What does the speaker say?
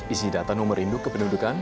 isi data nomor induk kependudukan